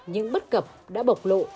những bất cập đã bộc lộ